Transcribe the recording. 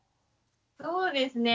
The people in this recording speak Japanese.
そうですね。